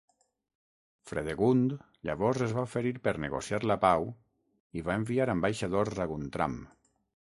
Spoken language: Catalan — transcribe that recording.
Fredegund llavors es va oferir per negociar la pau i va enviar ambaixadors a Guntram.